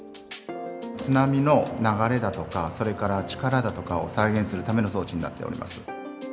津波の流れだとか、それから力だとかを再現するための装置になっております。